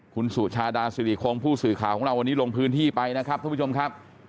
คุณสุชาดาสิริคงผู้สื่อข่าวของเราวันนี้ลงพื้นที่ไปนะครับท่านผู้ชมครับ